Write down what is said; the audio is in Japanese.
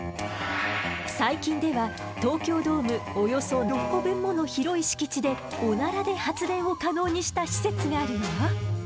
最近では東京ドームおよそ６個分もの広い敷地でオナラで発電を可能にした施設があるのよ。